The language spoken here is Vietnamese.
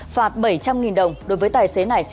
phạt bảy trăm linh đồng đối với tài xế này